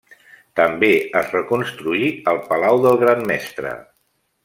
També es reconstruí el Palau del Gran Mestre.